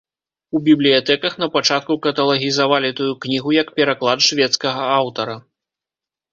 У бібліятэках напачатку каталагізавалі тую кнігу як пераклад шведскага аўтара.